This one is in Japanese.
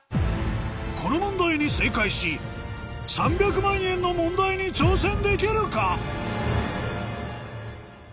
この問題に正解し３００万円の問題に挑戦できるか？